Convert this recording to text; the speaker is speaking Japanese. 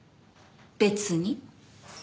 別に。